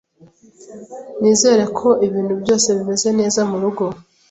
Nizere ko ibintu byose bimeze neza murugo.